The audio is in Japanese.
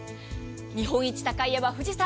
日本一高い山、富士山。